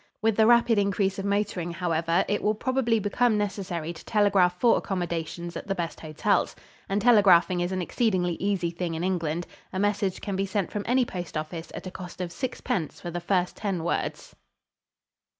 With the rapid increase of motoring, however, it will probably become necessary to telegraph for accommodations at the best hotels. And telegraphing is an exceedingly easy thing in England. A message can be sent from any postoffice at a cost of sixpence for the first ten words.